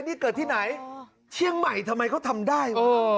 ต่อผมในนี้เกิดที่ไหนเชียงใหม่ทำไมเขาทำได้